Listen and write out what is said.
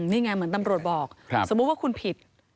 นี่ไงเหมือนตำรวจบอกสมมุติว่าคุณผิด